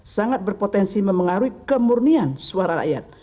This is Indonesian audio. sangat berpotensi mempengaruhi kemurnian suara rakyat